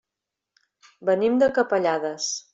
Venim de Capellades.